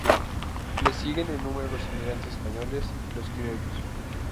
Le siguen en número los inmigrantes españoles y los criollos.